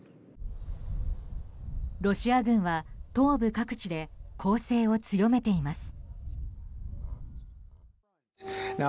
ロシア軍は東部各地で攻勢を強めています。